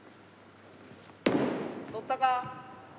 取ったか？